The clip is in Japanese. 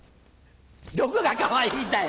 どこがかわいいんだよ！